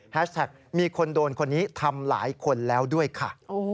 แท็กมีคนโดนคนนี้ทำหลายคนแล้วด้วยค่ะ